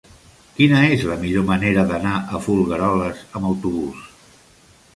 Quina és la millor manera d'anar a Folgueroles amb autobús?